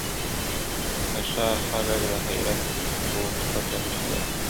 د ښار خلک د حیرت ګوته په خوله وه!.